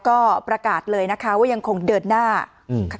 ก็ประกาศเลยนะคะว่ายังคงเดินหน้าอืมค่ะ